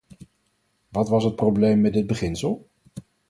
Wat was het probleem met dit beginsel?